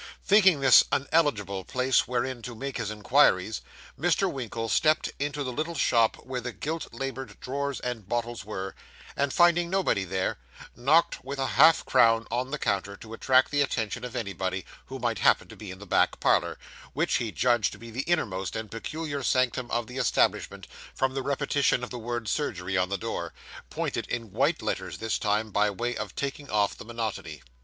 Thinking this an eligible place wherein to make his inquiries, Mr. Winkle stepped into the little shop where the gilt labelled drawers and bottles were; and finding nobody there, knocked with a half crown on the counter, to attract the attention of anybody who might happen to be in the back parlour, which he judged to be the innermost and peculiar sanctum of the establishment, from the repetition of the word surgery on the door painted in white letters this time, by way of taking off the monotony.